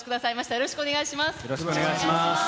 よろしくお願いします。